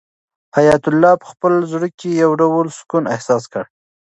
حیات الله په خپل زړه کې یو ډول سکون احساس کړ.